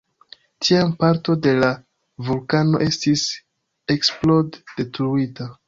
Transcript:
Tiam parto de la vulkano estis eksplod-detruita.